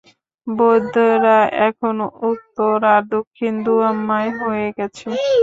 বৌদ্ধেরা এখন উত্তর আর দক্ষিণ দু-আম্নায় হয়ে গেছে।